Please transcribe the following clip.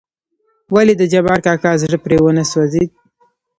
ولې دجبار کاکا زړه پرې ونه سوزېد .